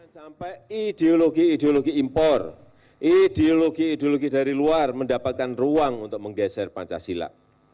sampai ideologi ideologi impor ideologi ideologi dari luar mendapatkan ruang untuk menggeser pancasila